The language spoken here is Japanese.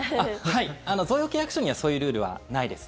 はい、贈与契約書にはそういうルールはないです。